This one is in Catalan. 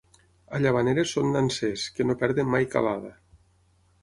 A Llavaneres són nansers, que no perden mai calada.